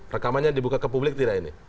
rekamannya dibuka ke publik tidak ini